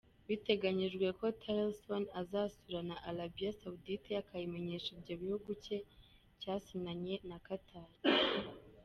Biteganyijwe ko Tillerson azasura na Arabia Saudite akayimenyesha ibyo igihugu cye cyasinyanye na Qatar.